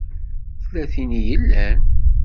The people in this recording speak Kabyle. Tella tin i yellan?